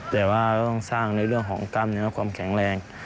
แต่ว่าต้องสร้างในเรื่องของกล้ามเนื้อความแข็งแรง